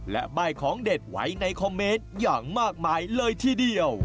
และใบ้ของเด็ดไว้ในคอมเมนต์อย่างมากมายเลยทีเดียว